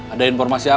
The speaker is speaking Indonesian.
ada informasi apa